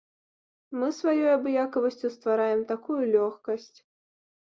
Мы сваёй абыякавасцю ствараем такую лёгкасць.